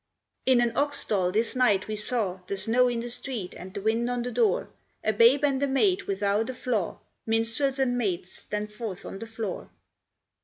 "In an ox stall this night we saw, The snow in the street, and the wind on the door, A Babe and a maid without a flaw. Minstrels and maids, stand forth on the floor.